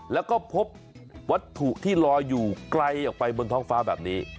แล้วก็พบวัตถุที่ลอยอยู่ไกลออกไปบนท้องฟ้าแบบนี้